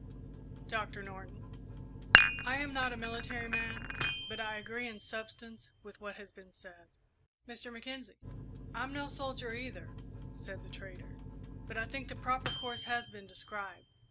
"Doctor Norton?" "I am not a military man, but I agree in substance with what has been said." "Mr. Mackenzie?" "I'm no soldier, either," said the trader, "but I think the proper course has been described.